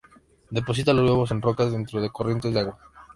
Deposita los huevos en rocas dentro de corrientes de agua.